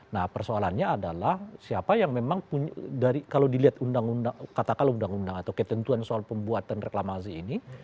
nah persoalannya adalah siapa yang memang kalau dilihat undang undang katakanlah undang undang atau ketentuan soal pembuatan reklamasi ini